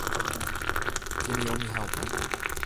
Kinne jo my helpe?